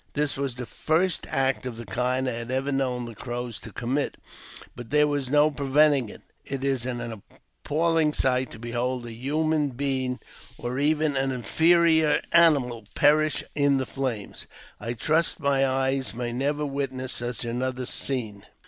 This was the first act of the kind I had ever known the Crows to commit ; but there ^ was no preventing it. It is an appalling sight to behold a |l human being, or even an inferior animal, perish in the flames ; I trust my eyes may never witness such another scene.